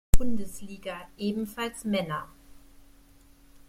Bundesliga, ebenfalls Männer.